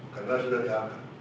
karena sudah diangkat